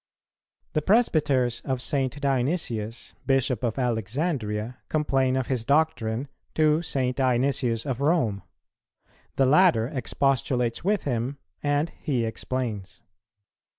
The presbyters of St. Dionysius, Bishop of Alexandria, complain of his doctrine to St. Dionysius of Rome; the latter expostulates with him, and he explains.